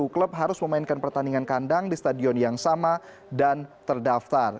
klub harus memainkan pertandingan kandang di stadion yang sama dan terdaftar